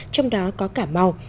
trong đó có cà mau